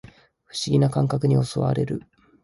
不思議な感覚に襲われる